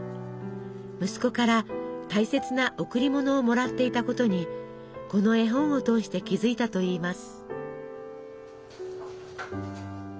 息子から大切な贈り物をもらっていたことにこの絵本を通して気付いたといいます。